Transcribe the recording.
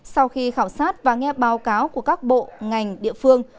sau khi khảo sát và nghe báo cáo của các bộ ngành địa phương